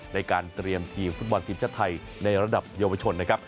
ในการเตรียมทีมฟุตบอลทีมชาติไทยในระดับเยาวชนนะครับ